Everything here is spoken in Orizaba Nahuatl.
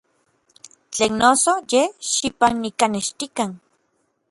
Tlen noso, yej xikpanijkanextikan.